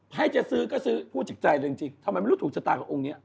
ให้จะซื้อก็ซื้อพูดจากใจเลยจริงทำไมไม่รู้ถูกชะตากับองค์นี้